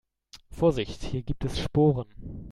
Vorsicht, hier gibt es Sporen.